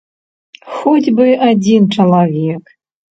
Хоць бы адзін чалавек!